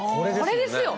これですよ